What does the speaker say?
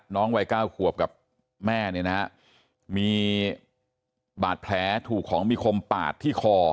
วัยเก้าขวบกับแม่เนี่ยนะฮะมีบาดแผลถูกของมีคมปาดที่คอ